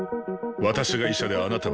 私が医者であなたは患者。